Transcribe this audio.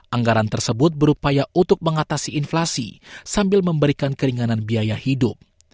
anggaran tersebut berupaya untuk mengatasi inflasi sambil memberikan keringanan biaya hidup